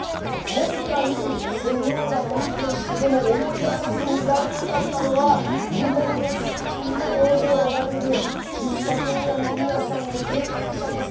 今回、セニョーラと話して思い出さずにいられなかったのは日本の各地にも大勢おられる喫茶店や飲み屋さんの経営者です。